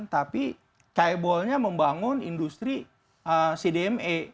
tapi cahay bolnya membangun industri cdme